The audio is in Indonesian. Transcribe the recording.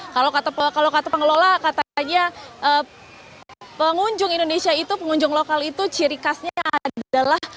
kalau kata pengelola katanya pengunjung indonesia itu pengunjung lokal itu ciri khasnya adalah